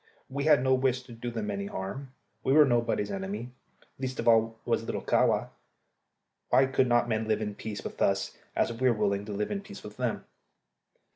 We had no wish to do them any harm. We were nobody's enemy; least of all was little Kahwa. Why could not men live in peace with us as we were willing to live in peace with them?